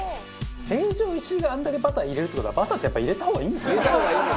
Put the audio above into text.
成城石井があれだけバター入れるって事はバターってやっぱり入れた方がいいんですよね。